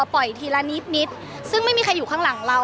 ปล่อยทีละนิดซึ่งไม่มีใครอยู่ข้างหลังเรา